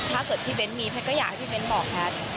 ถ้าเกิดพี่เบ้นมีแพทย์ก็อยากให้พี่เบ้นบอกแพทย์